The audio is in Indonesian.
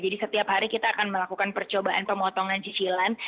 jadi setiap hari kita akan melakukan percobaan pemotongan cicilan